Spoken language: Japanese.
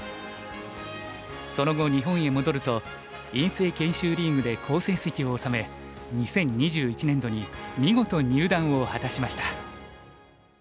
その後日本へ戻ると院生研修リーグで好成績を収め２０２１年度に見事入段を果たしました。